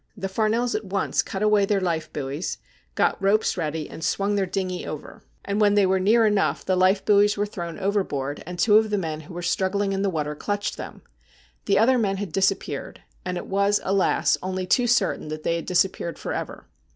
The Farnells at once cut away their life buoys, got ropes ready, and swung their dingey over ; and when they were 250 STORIES WEIRD AND WONDERFUL near enough the life buoys were thrown overboard, and two of the men who were "struggling in the water clutched them. The other men had disappeared, and it was, alas ! only too certain that they had disappeared for ever.